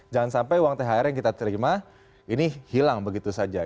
jangan sampai uang thr yang kita terima ini hilang begitu saja